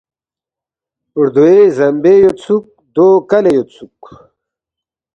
ردوے زمبے یودسُوک، دو کلے یودسُوک